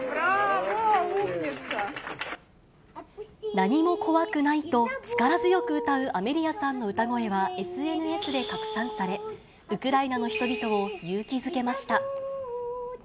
何も怖くないと力強く歌うアメリアさんの歌声はＳＮＳで拡散され、ウクライナの人々を勇気づけました。